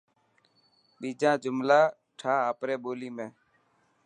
ٻيجا جملا ٺاهه آپري ٻولي ۾.